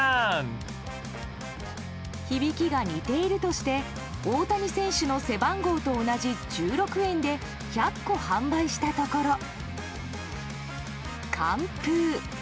響きが似ているとして大谷選手の背番号と同じ１６円で１００個販売したところ完封。